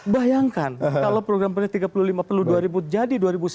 bayangkan kalau program pendidikan tiga puluh lima perlu dua ribu jadi dua ribu sembilan belas